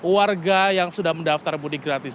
warga yang sudah mendaftar mudik gratis